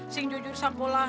nanti ada anak anak